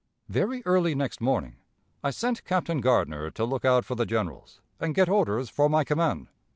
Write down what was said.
"Very early next morning, I sent Captain Gardner to look out for the generals, and get orders for my command.